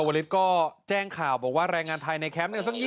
มบริษฐก็แจ้งข่าวบอกว่าแรงอันทายในแคมป์นึง